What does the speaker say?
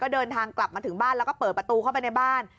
เดินทางกลับมาถึงบ้านแล้วก็เปิดประตูเข้าไปในบ้าน